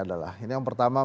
adalah ini yang pertama